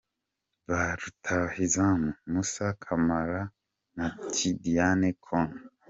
Ba rutahizamu : Moussa Camara na Tidiane Kone.